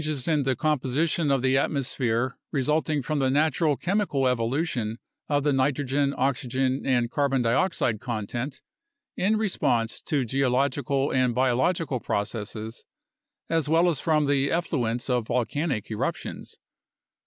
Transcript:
o 22 PHYSICAL BASIS OF CLIMATE AND CLIMATIC CHANGE 23 the composition of the atmosphere resulting from the natural chemical evolution of the nitrogen, oxygen, and carbon dioxide content in re sponse to geological and biological processes, as well as from the efflu ents of volcanic eruptions.